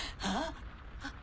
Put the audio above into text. あっ！